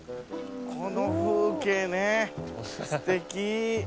この風景ねすてき。